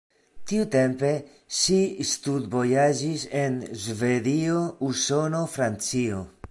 Tiutempe ŝi studvojaĝis en Svedio, Usono, Francio.